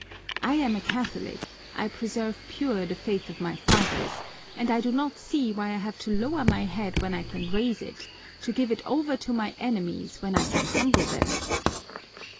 I am a Catholic, I preserve pure the faith of my fathers, and I do not see why I have to lower my head when I can raise it, to give it over to my enemies when I can humble them!"